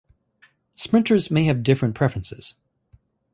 Sprinters may have different preferences.